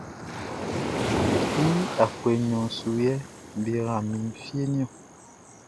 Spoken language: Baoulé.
I afuɛ nɲɔn su yɛ be yra mi fieʼn niɔn.